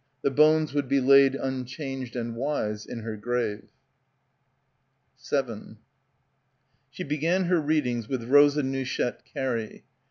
The bones would be laid unchanged and wise, in her grave. 7 She began her readings with Rosa Nouchette Carey.